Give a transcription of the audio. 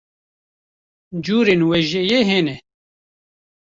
curên wêjeyê hene.